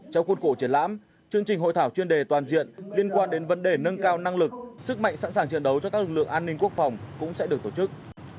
trong khuôn cổ triển lãm chương trình hội thảo chuyên đề toàn diện liên quan đến vấn đề nâng cao năng lực sức mạnh sẵn sàng chiến đấu cho các lực lượng an ninh quốc phòng cũng sẽ được tổ chức